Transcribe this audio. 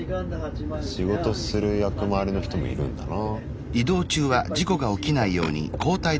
仕事する役回りの人もいるんだな。